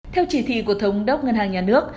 theo chỉ thị của thống đốc ngân hàng nhà nước